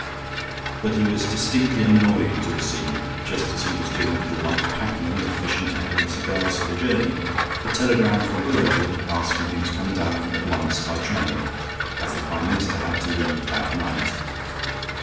But he was distinctly annoyed to receive, just as he was doing a little light packing of fishing tackle and cigars for the journey, a telegram from Willowood asking him to come down at once by train, as the Prime Minister had to leave that night.